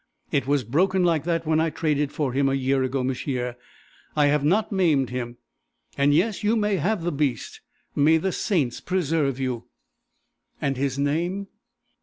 "It was broken like that when I traded for him a year ago, m'sieu. I have not maimed him. And ... yes, you may have the beast! May the saints preserve you!" "And his name?"